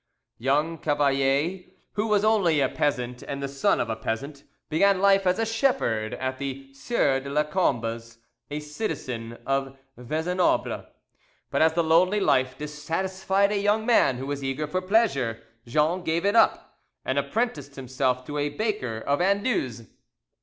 Young Cavalier, who was only a peasant and the son of a peasant, began life as a shepherd at the Sieur de Lacombe's, a citizen of Vezenobre, but as the lonely life dissatisfied a young man who was eager for pleasure, Jean gave it up, and apprenticed himself to a baker of Anduze.